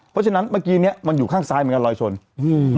เพราะฉะนั้นเมื่อกี้เนี้ยมันอยู่ข้างซ้ายเหมือนกันรอยชนอืม